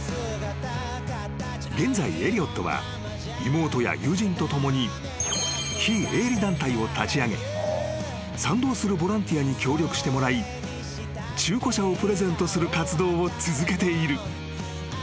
［現在エリオットは妹や友人と共に非営利団体を立ち上げ賛同するボランティアに協力してもらい中古車をプレゼントする活動を続けている］